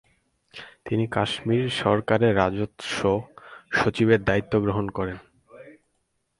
তিনি কাশ্মীর সরকারের রাজস্ব সচিবের দায়িত্ব গ্রহণ করেন।